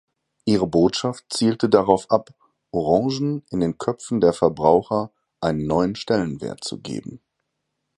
Ihre Botschaft zielte darauf ab, Orangen in den Köpfen der Verbraucher einen neuen Stellenwert zu geben.